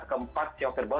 keempat siwa kerbau